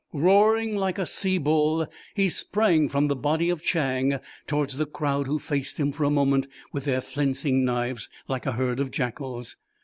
Roaring like a sea bull he sprang from the body of Chang towards the crowd who faced him for a moment with their flensing knives like a herd of jackals.